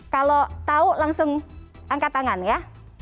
kalau tahu langsung angkat tangan ya